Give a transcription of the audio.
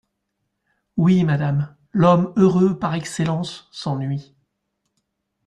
Oui, madame, l'homme heureux par excellence s'ennuie.